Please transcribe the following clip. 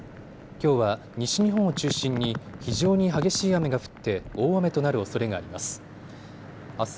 きょうは西日本を中心に非常に激しい雨が降って大雨となるおそれがあります。